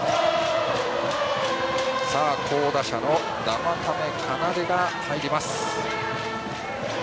好打者の生田目奏が入ります。